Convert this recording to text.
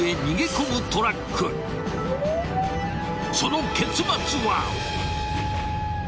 ［その結末は！］